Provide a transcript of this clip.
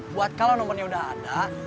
buat kalau nomornya udah ada